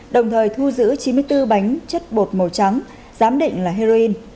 đồng thời thu giữ chín mươi bốn bánh chất bột màu trắng giám định là heroin